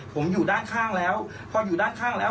ผมอยู่ด้านข้างแล้วพออยู่ด้านข้างแล้ว